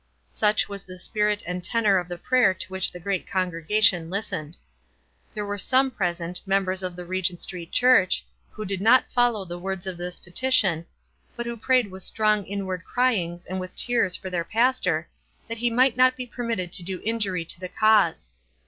Such was the spirit and tenor of the prayer to which the great congregation listened. There were some present, members of the Regent Street Church, who did not follow the words of this petition, but who prayed with strong inward cryings and with tears for their pastor, that he might not be permitted to do injury to the cause.